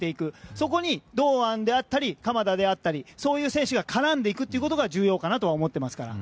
そこに堂安であったり鎌田であったりそういう選手が絡んでいくことが重要かなと思っています。